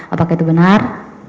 apakah itu benar